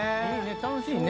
楽しいね。